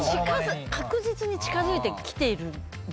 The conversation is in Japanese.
確実に近づいてきているんですよ。